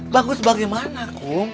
bagus bagaimana kom